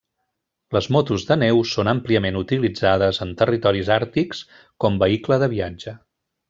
Les motos de neu són àmpliament utilitzades en territoris àrtics com vehicle de viatge.